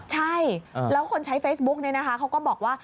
ใช่แล้วคนใช้เฟซบุ๊กเขาก็บอกว่า